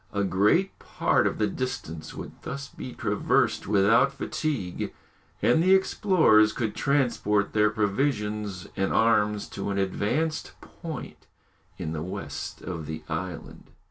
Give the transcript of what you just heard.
A great part of the distance would thus be traversed without fatigue, and the explorers could transport their provisions and arms to an advanced point in the west of the island.